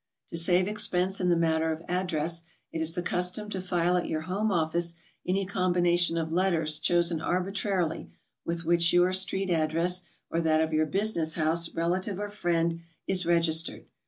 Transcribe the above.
To save expense in the matter of address, it is the custom ito file at your home office any combination of letters chosen arbitrarily, with which your street address, or that of your business house, relative, or friend is regis tered.